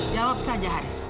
jawab saja haris